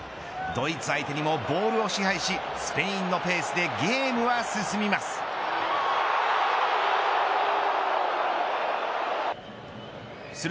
ドイツ相手にもボールを支配しスペインのペースでゲームは進みます。